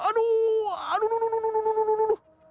aduh aduh aduh aduh aduh aduh aduh aduh